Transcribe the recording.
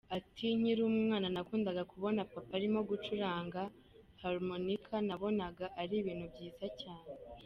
Ati “Nkiri umwana nakundaga kubona Papa arimo gucuranga harmonica, nabonaga ari ibintu byiza cyane.